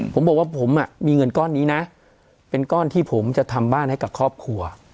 ผมบอกว่าผมมีเงินก้อนนี้นะเป็นก้อนที่ผมจะทำบ้านให้กับครอบครัว